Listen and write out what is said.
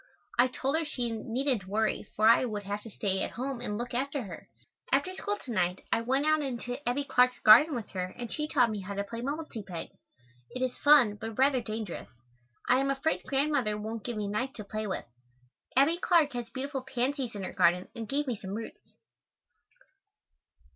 I told her she needn't worry for I would have to stay at home and look after her. After school to night I went out into Abbie Clark's garden with her and she taught me how to play "mumble te peg." It is fun, but rather dangerous. I am afraid Grandmother won't give me a knife to play with. Abbie Clark has beautiful pansies in her garden and gave me some roots.